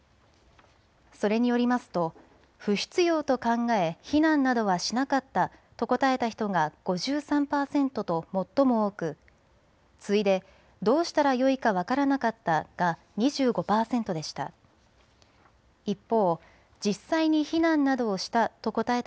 それによりますと不必要と考え避難などはしなかったと答えた人が５３％と最も多く、次いで、どうしたらよいか分からなかったが２５％でした。